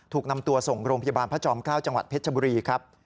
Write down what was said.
ถูกนำตัวส่งโรงพยาบาลพระจอม๙จังหวัดเพชรบุรีครับ